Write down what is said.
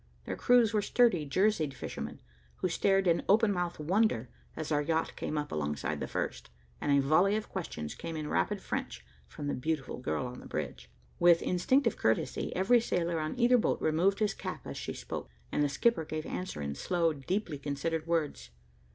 Their crews were sturdy, jerseyed fishermen, who stared in open mouthed wonder, as our yacht came up alongside the first, and a volley of questions came in rapid French from the beautiful girl on the bridge. With instinctive courtesy, every sailor on either boat removed his cap as she spoke, and the skipper gave answer in slow, deeply considered words.